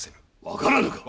分からぬか。